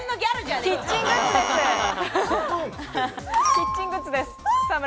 キッチングッズです。